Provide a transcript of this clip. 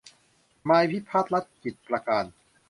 นายพิพัฒน์ รัชกิจประการ